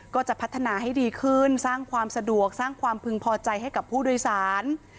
ก็จะพัฒนาให้ดีขึ้นสร้างความสะดวกสร้างความพึงพอใจให้กับผู้โดยสาร